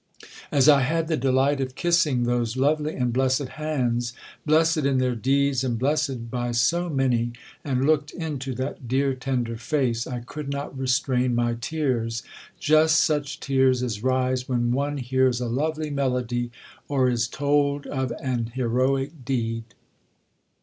As I had the delight of kissing those lovely and blessed hands, blessed in their deeds and blessed by so many, and looked into that dear tender face, I could not restrain my tears, just such tears as rise when one hears a lovely melody or is told of an heroic deed!"